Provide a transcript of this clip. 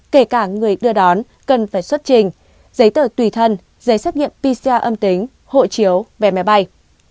kể cả người đưa đón cần phải xuất trình giấy tờ tùy thân giấy xác nhận pcr âm tính hộ chiếu vé máy bay